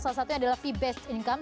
salah satunya adalah fee based income